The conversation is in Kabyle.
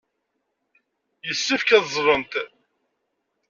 Yessefk ad ẓẓlent.